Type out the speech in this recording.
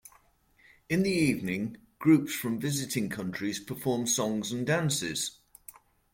In the evening, groups from visiting countries perform songs and dances.